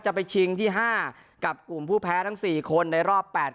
จะไปชิงที่ห้ากับกลุ่มผู้แพ้ทั้งสี่คนในรอบแปด